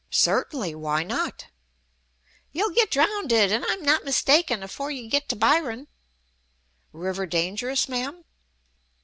"Certainly; why not?" "Ye'll git drowndid, an' I'm not mistakin, afore ye git to Byron." "River dangerous, ma'am?"